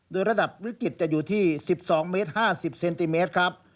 โดยระดับวิกฤตจะอยู่ที่๑๒เมตร๕๐เซนติเมตรครับ